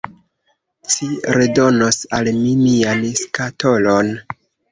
Ci redonos al mi mian skatolon.